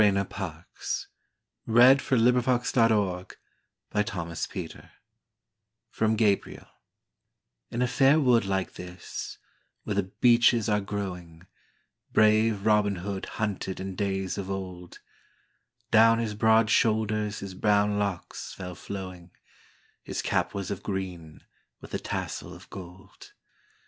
Sherwood Forest Robin Hood By Bessie Rayner Parkes (1829–1925) (From Gabriel)IN a fair wood like this, where the beeches are growing, Brave Robin Hood hunted in days of old; Down his broad shoulders his brown locks fell flowing, His cap was of green, with a tassel of gold.